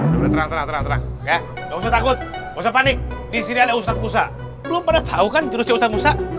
jangan takut jangan panik disini ada ustadz musa belum pernah tahu kan jurusnya ustadz musa